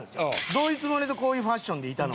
どういうつもりでこういうファッションでいたのか。